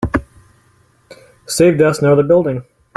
Saved us another building.